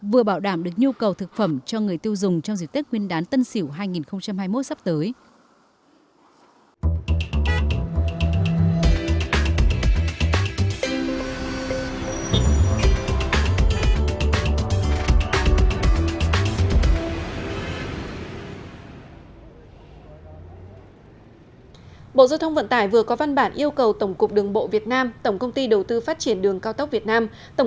vừa bảo đảm được nhu cầu thực phẩm cho người tiêu dùng trong diệt tế quyên đán tân xỉu hai nghìn hai mươi một sắp tới